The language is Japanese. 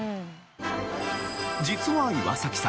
実は岩崎さん